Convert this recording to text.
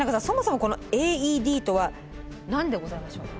そもそもこのＡＥＤとは何でございましょう？